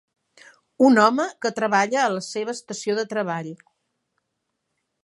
Un home que treballa a la seva estació de treball.